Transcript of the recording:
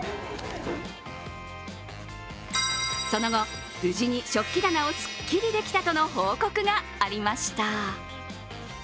その後、無事に食器棚をすっきりできたとの報告がありました。